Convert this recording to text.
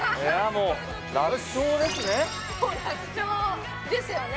もう楽勝ですよね